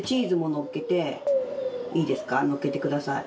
のっけてください。